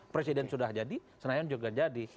presiden sudah jadi senayan juga jadi